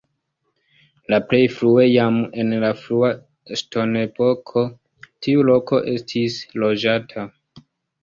La plej frue jam en la frua ŝtonepoko tiu loko estis loĝata.